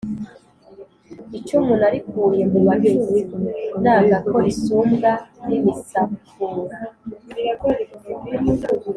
icumu narikuye mu bacuzi nanga ko risumbwa n’imisakura,